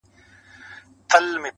وژني د زمان بادونه ژر شمعي -